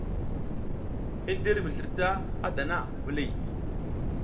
Hindir mi slirta a dana, viliy.